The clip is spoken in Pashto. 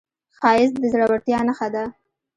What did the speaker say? ښایست د زړورتیا نښه ده